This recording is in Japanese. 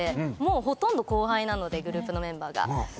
ほとんど後輩なのでグループのメンバーが。